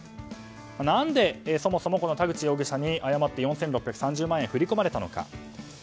何で、そもそも田口容疑者に誤って４６３０万円が振り込まれたのか。